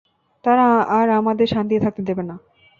তারা আর আমাদের শান্তিতে থাকতে দেবে না।